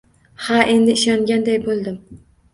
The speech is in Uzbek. Ha, endi ishonganday bo`ldim